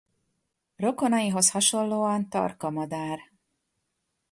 Rokonaihoz hasonlóan tarka madár.